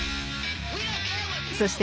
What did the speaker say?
そして＃